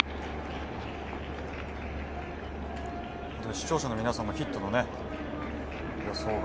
視聴者の皆さんもヒットの予想が。